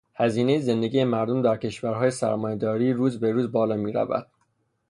هزینهٔ زندگی مردم در کشورهای سرمایه داری روز بروز بالا میرود.